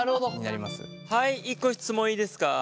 はい１個質問いいですか？